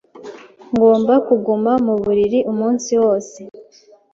Ngomba kuguma mu buriri umunsi wose.